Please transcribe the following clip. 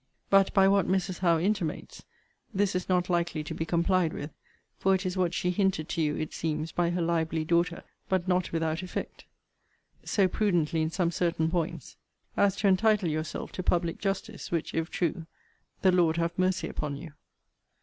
But, by what Mrs. Howe intimates, this is not likely to be complied with; for it is what she hinted to you, it seems, by her lively daughter, but not without effect;* so prudently in some certain points, as to entitle yourself to public justice; which, if true, the Lord have mercy upon you!